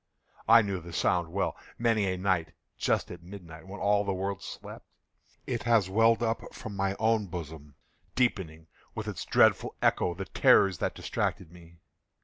I knew the sound well. Many a night, just at midnight, when all the world slept, it has welled up from my own bosom, deepening, with its dreadful echo, the terrors that distracted me.